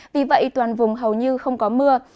vì vậy toàn vùng hầu như không có mưa